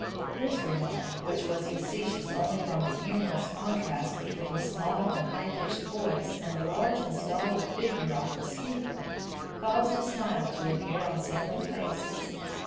This remark, which was facetious only from the humorous contrast between the small and highpitched voice and the large and stalwart figure of the speaker, caused a smile to appear on several faces.